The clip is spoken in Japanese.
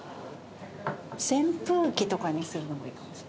「扇風機」とかにするのもいいかもしれないですね。